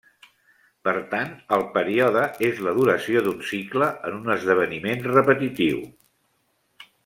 Per tant, el període és la duració d'un cicle en un esdeveniment repetitiu.